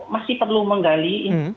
masih perlu menggali